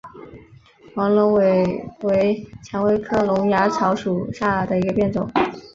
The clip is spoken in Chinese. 黄龙尾为蔷薇科龙芽草属下的一个变种。